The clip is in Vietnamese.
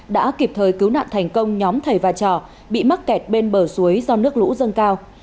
đã kịp thời cứu nạn thành công nhóm thầy và trò bị mắc kẹt bên bờ suối do nước lũ dâng cao